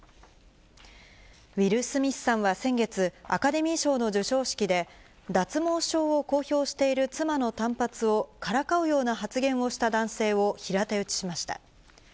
ウィル・スミスさんは先月、アカデミー賞の授賞式で、脱毛症を公表している妻の短髪をからかうような発言をした男性を平手打ちしました。